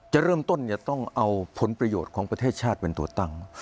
จะเริ่มต้นจะต้องเอาผลประโยชน์ของประเทศชาติเป็นตัวตั้ง